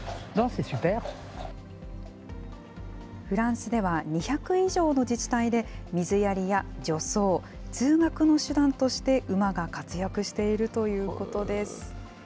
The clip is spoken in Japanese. フランスでは、２００以上の自治体で、水やりや除草、通学の手段として馬が活躍しているということです。